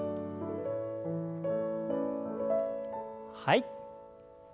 はい。